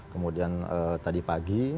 kemudian tadi pagi